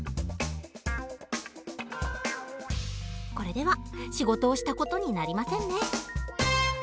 これでは仕事をした事になりませんね。